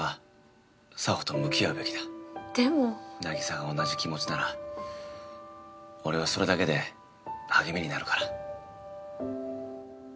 凪沙が同じ気持ちなら俺はそれだけで励みになるから。